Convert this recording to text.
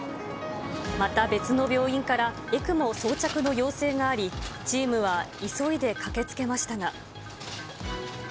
また別の病院から、ＥＣＭＯ装着の要請があり、チームは急いで駆けつけましたが。